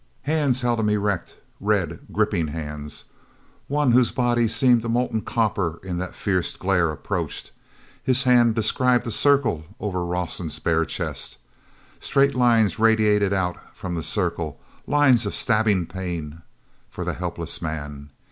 Hands held him erect, red, gripping hands. One, whose body seemed molten copper in that fierce glare, approached. His hand described a circle over Rawson's bare chest. Straight lines radiated out from the circle, lines of stabbing pain for the helpless man.